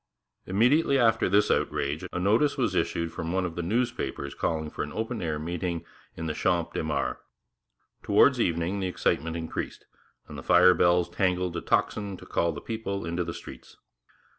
Immediately after this outrage a notice was issued from one of the newspapers calling an open air meeting in the Champ de Mars. Towards evening the excitement increased, and the fire bells jangled a tocsin to call the people into the streets.